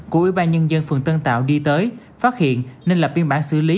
của ủy ban nhân dân phường tân tạo đi tới phát hiện nên lập biên bản xử lý